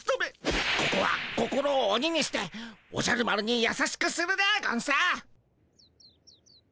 ここは心を鬼にしておじゃる丸に優しくするでゴンス。